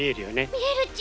みえるち。